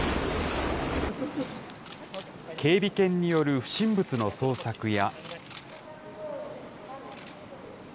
警備犬による不審物の捜索や。